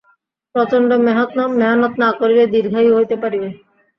প্রচণ্ড মেহনত না করিলে দীর্ঘায়ু হইতে পারিবে।